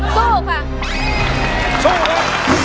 สู้ค่ะ